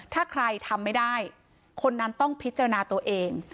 ถ้าใครทำไม่ได้คนนั้นต้องพิจารณาตัวเอง